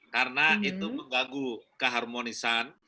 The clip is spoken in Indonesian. karena itu mengganggu keharmonisan